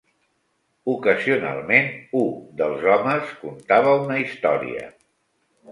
Ocasionalment, u dels homes contava una història.